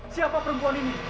siapa perempuan ini